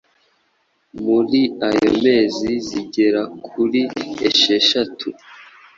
muri ayo mezi zigera kuri esheshatu